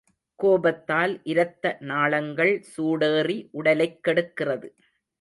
கோபத்தால் இரத்த நாளங்கள் சூடேறி உடலைக் கெடுக்கிறது.